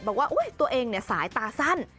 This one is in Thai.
บอกว่าตัวเองสายตาสั้น